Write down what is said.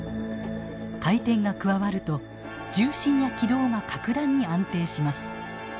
回転が加わると重心や軌道が格段に安定します。